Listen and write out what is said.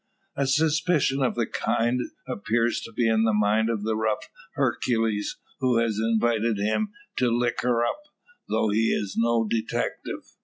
A suspicion of the kind appears to be in the mind of the rough Hercules, who has invited him to "licker up;" though he is no detective.